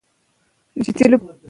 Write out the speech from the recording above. خندا د انسان لپاره ګټوره ده.